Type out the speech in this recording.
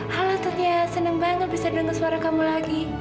halatutnya seneng banget bisa denger suara kamu lagi